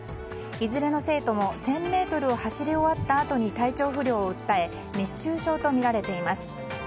いずれの生徒も１０００ｍを走り終わったあとに体調不良を訴え熱中症とみられています。